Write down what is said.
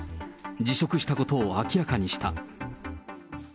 辞職したことを明らかにした。